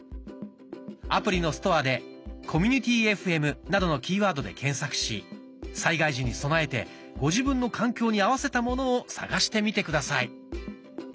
アプリのストアで「コミュニティＦＭ」などのキーワードで検索し災害時に備えてご自分の環境に合わせたものを探してみて下さい。